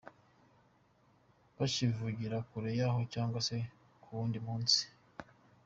Bakivugira kure y’aho cyangwa se ku wundi munsi.